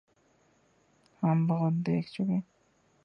ہم بہت دیکھ چکے۔